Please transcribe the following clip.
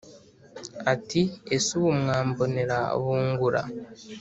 ati: «ese ubu mwambonera bungura’»